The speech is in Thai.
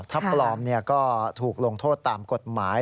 ถ้าปลอมก็ถูกลงโทษตามกฎหมาย